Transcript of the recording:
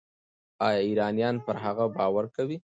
ایا ایرانیان پر هغه باور کوي؟